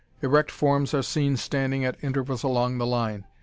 Erect forms are seen standing at intervals along the line.